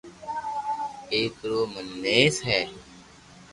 ايڪ رو منيس ھي